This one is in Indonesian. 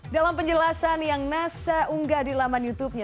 dalam penjelasan yang nasa unggah di laman youtubenya